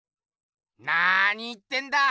なーに言ってんだ！